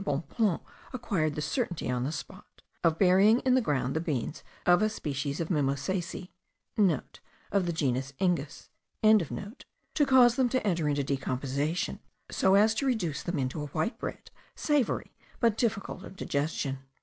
Bonpland acquired the certainty on the spot) of burying in the ground the beans of a species of mimosacea,* (* Of the genus Inga.) to cause them to enter into decomposition so as to reduce them into a white bread, savoury, but difficult of digestion.